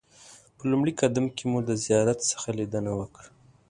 په لومړي قدم کې مو د زیارت څخه لیدنه وکړه.